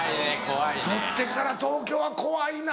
取ってから東京は怖いな。